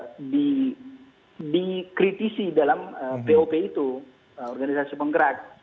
jadi dikritisi dalam pop itu organisasi penggerak